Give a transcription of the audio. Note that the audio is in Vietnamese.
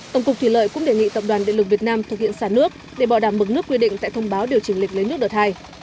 tổng cục thủy lợi cũng đề nghị tập đoàn địa lực việt nam thực hiện xả nước để bảo đảm mức nước quy định tại thông báo điều chỉnh lịch lấy nước đợt hai